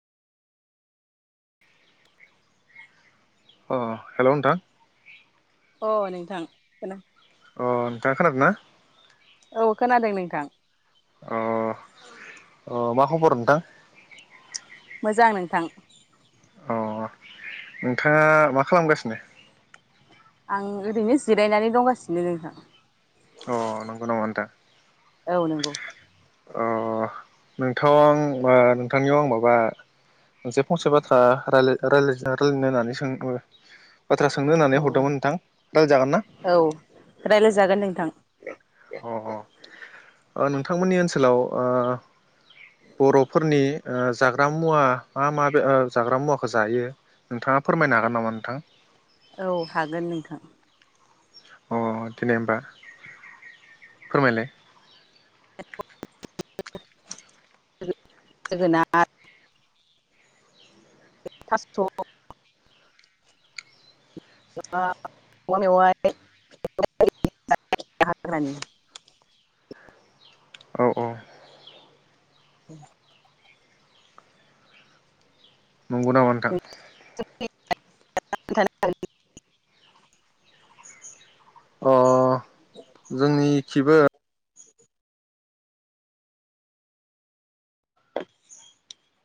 अ hello नोंथां अ नोंथां खो अ नोंथाङा खोनादोंना? औ खोनादों नोंथ अ अ मा खबर नोंथां? मोजां नोंथां अ नोंथाङा मा खालामगासिनो आं ओरैनो जिरायनानै दंगासिनो नोंथां अ नंगौ नामा नोंथां औ नंगौ नोंथां आं नोंथांनियाव आं माबा मोनसे फंसे बाथ्रा रायलायनो रायलायनो होननानै सोंदोंमोन बाथ्रा सोंनो होननानै हरदोंमोन नोंथां रायलाय जागोन ना? औ रायलायजागोन नोंथां अ अ नोंथांमोननि ओनसोलाव ओ बर'फोरनि ओ जाग्रा मुवा मा मा ओ जाग्रा मुवाखौ जायो। नोंथाङा फोरमायनो हागोन नामा नोंथां? औ हागोन नोंथां अ देनाय होनबा फोरमायलाय जोगोनार थास औवा मेवाय औ औ नंगौ नामा नोंथां [unintelligible] अ [unintelligible] [inaudible]